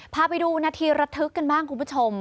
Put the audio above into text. พาไปดูนาทีระทึกกันบ้างคุณผู้ชม